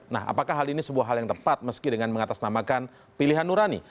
nah apakah hal ini sebuah hal yang tepat meski dengan mengatasnamakan pilihan nurani